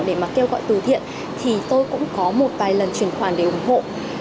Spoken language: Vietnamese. để kêu gọi thử thiện thì tôi cũng có một vài lần truyền khoản để ủng hộ